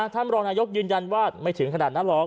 รองนายกยืนยันว่าไม่ถึงขนาดนั้นหรอก